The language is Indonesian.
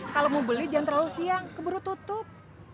kalau mau beli jangan terlalu siang keburu tutup